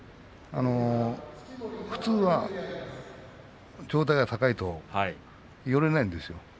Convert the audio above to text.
普通は上体が高いと寄れないんですよ。